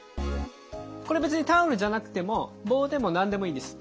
これ別にタオルじゃなくても棒でも何でもいいです。